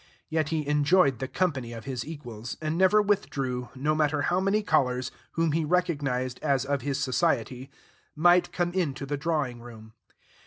Yet he enjoyed the company of his equals, and never withdrew, no matter how many callers whom he recognized as of his society might come into the drawing room.